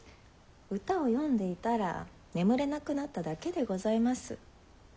歌を詠んでいたら眠れなくなっただけでございます。